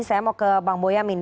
saya mau ke bang boyamin